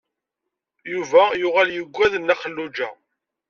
Yuba yuɣal yugad Nna Xelluǧa.